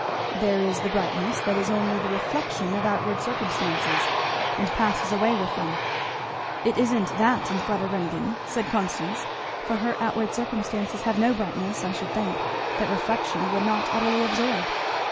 "There is the brightness that is only the reflection of outward circumstances, and passes away with them." "It isn't that in Fleda Ringgan," said Constance, "for her outward circumstances have no brightness, I should think, that reflection would not utterly absorb."